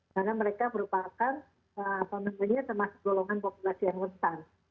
karena mereka merupakan maksudnya termasuk golongan populasi yang lestari